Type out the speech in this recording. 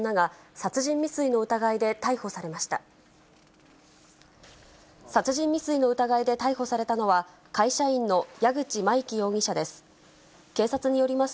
殺人未遂の疑いで逮捕されたのは、会社員の谷口舞希容疑者です。